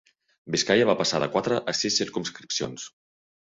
Biscaia va passar de quatre a sis circumscripcions.